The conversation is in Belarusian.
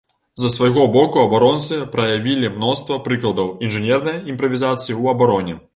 З свайго боку, абаронцы праявілі мноства прыкладаў інжынернай імправізацыі ў абароне.